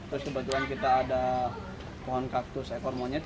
terus kebetulan kita ada pohon kaktus ekor monyet